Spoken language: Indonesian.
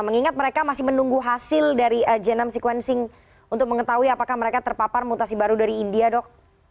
mengingat mereka masih menunggu hasil dari genome sequencing untuk mengetahui apakah mereka terpapar mutasi baru dari india dok